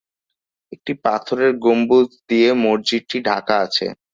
একটি পাথরের গম্বুজ দিয়ে মসজিদটি ঢেকে আছে।